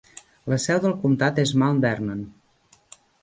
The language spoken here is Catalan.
La seu del comtat és Mount Vernon.